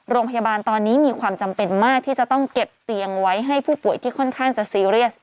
โรงพยาบาลตอนนี้มีความจำเป็นมากที่จะต้องเก็บเตียงไว้ให้ผู้ป่วยที่ค่อนข้างจะซีเรียส